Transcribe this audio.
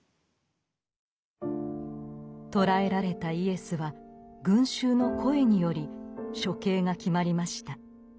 捕らえられたイエスは群衆の声により処刑が決まりました。